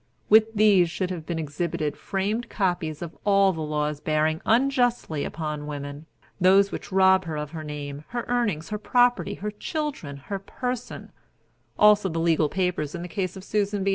With these should have been exhibited framed copies of all the laws bearing unjustly upon women those which rob her of her name, her earnings, her property, her children, her person; also the legal papers in the case of Susan B.